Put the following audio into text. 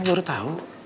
ma udah tau